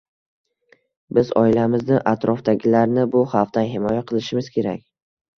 Biz oilamizni va atrofdagilarni bu xavfdan himoya qilishimiz kerak